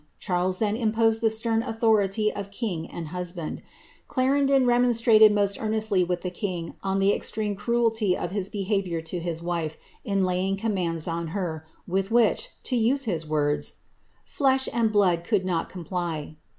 Charles then imposed the stem authority of king and husband. Clarendon remon strated most earnestly with the king on the extreme cruelty of hit beha viour to his wife, in laying commands on her, with which, to use his words, ^ flesh and blood could not comply.'